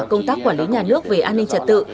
công tác quản lý nhà nước về an ninh trật tự